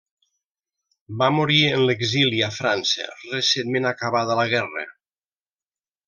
Va morir en l'exili a França, recentment acabada la guerra.